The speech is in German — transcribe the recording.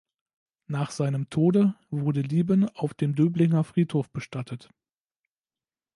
Nach seinem Tode wurde Lieben auf dem Döblinger Friedhof bestattet.